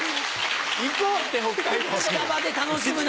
行こうって北海道に！